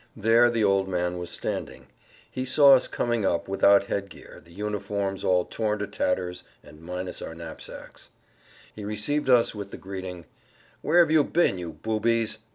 There the old man was standing. He saw us coming up, without headgear, the uniforms all torn to tatters, and minus our knapsacks. He received us with the greeting, "Where have you been, you boobies?"